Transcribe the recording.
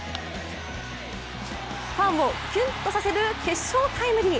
ファンをキュンとさせる決勝タイムリー。